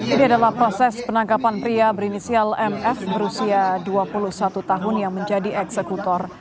ini adalah proses penangkapan pria berinisial mf berusia dua puluh satu tahun yang menjadi eksekutor